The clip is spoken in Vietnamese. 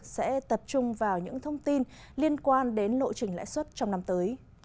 sẽ tập trung vào những thông tin liên quan đến lộ trình lãi suất trong năm tới